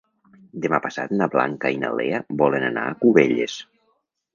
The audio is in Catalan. Demà passat na Blanca i na Lea volen anar a Cubelles.